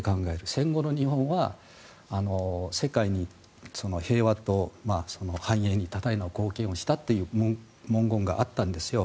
戦後の日本は世界の平和と繁栄に多大な貢献をしたという文言があったんですよ。